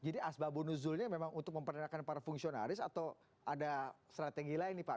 jadi asbabunuzulnya memang untuk memperkenalkan para fungsionaris atau ada strategi lain nih pak